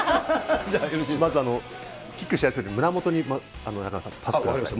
まず、キックしやすい胸元に、中山さん、パスください。